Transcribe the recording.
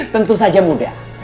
tentu saja muda